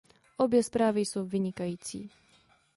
Obě zprávy jsou vynikající.